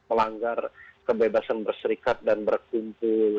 melanggar kebebasan berserikat dan berkumpul